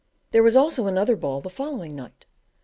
There was also another ball the following night.